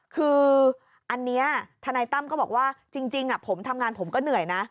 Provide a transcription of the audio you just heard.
คืออันนี้ทนายตั้มก็บอกว่าจริงผมทำงานผมก็เหนื่อยนะ